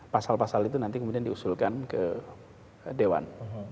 pasal pasal itu nanti kemudian diusulkan ke dewan